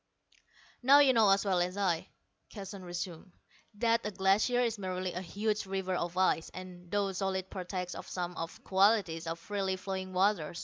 "Now, you know as well as I," Keston resumed, "that a glacier is merely a huge river of ice, and, though solid, partakes of some of the qualities of freely flowing water.